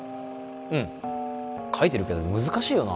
うん書いてるけど難しいよな